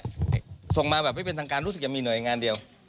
ทางการเคราะห์เรียกว่าจะมีหน่วยงานเดียว